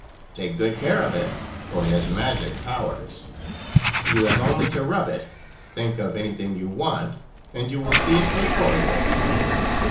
Take good care of it, for it has magic powers. You have only to rub it, think of any thing you want, and you will see it before you."